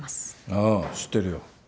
ああ知ってるよ。